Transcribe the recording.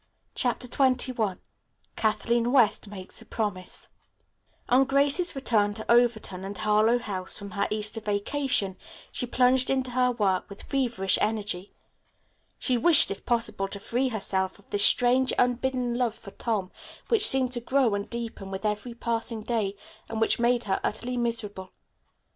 CHAPTER XXI KATHLEEN WEST MAKES A PROMISE On Grace's return to Overton and Harlowe House from her Easter vacation she plunged into her work with feverish energy. She wished, if possible, to free herself of this strange, unbidden love for Tom which seemed to grow and deepen with every passing day, and which made her utterly miserable.